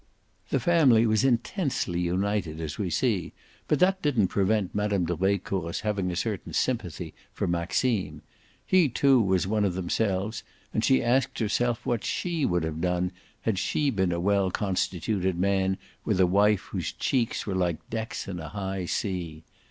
The family was intensely united, as we see; but that didn't prevent Mme. de Brecourt's having a certain sympathy for Maxime: he too was one of themselves, and she asked herself what SHE would have done had she been a well constituted man with a wife whose cheeks were like decks in a high sea.